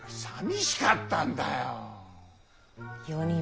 さみしかったんだよ。